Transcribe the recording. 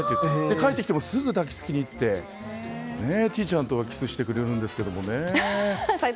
帰ってきてもすぐ抱き付きに行っててぃちゃんとはキスしてくれるんですけどね。